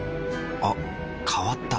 あ変わった。